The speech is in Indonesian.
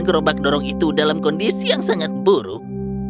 gerobak dorong itu dalam kondisi yang sangat buruk